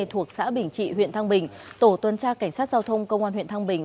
thuộc xã bình trị huyện thăng bình tổ tuần tra cảnh sát giao thông công an huyện thăng bình